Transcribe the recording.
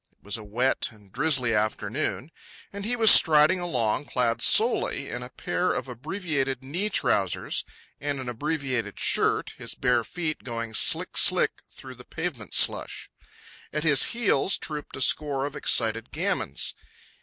It was a wet and drizzly afternoon, and he was striding along, clad solely in a pair of abbreviated knee trousers and an abbreviated shirt, his bare feet going slick slick through the pavement slush. At his heels trooped a score of excited gamins.